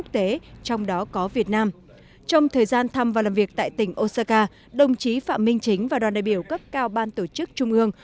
trong thời gian thăm và làm việc tại tỉnh osaka đồng chí phạm minh chính và đoàn đại biểu cấp cao ban tổ chức trung ương